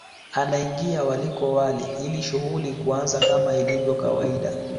Anaingia waliko wali ili shughuli kuanza kama ilivyo kawaida